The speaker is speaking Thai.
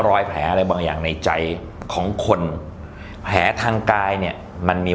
รอยแผลอะไรบางอย่างในใจของคนแผลทางกายเนี่ยมันมี